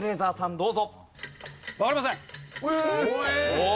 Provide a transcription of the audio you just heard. どうぞ。